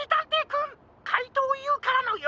かいとうＵからのよ